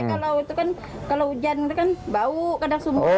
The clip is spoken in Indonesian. kalau itu kan kalau hujan itu kan bau kadang sumur